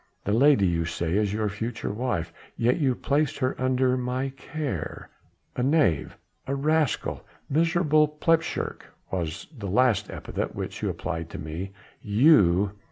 The lady, you say, is your future wife, yet you placed her under my care a knave, a rascal miserable plepshurk was the last epithet which you applied to me you!